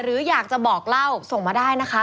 หรืออยากจะบอกเล่าส่งมาได้นะคะ